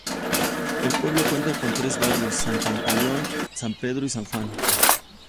El pueblo cuenta con tres barrios, San Pantaleón, San Pedro, y San Juan.